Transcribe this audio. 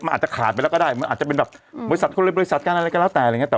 มันอาจจะขาดไปแล้วก็ได้มันอาจจะเป็นแบบบริษัทเขาเรียบริษัทกันอะไรก็แล้วแต่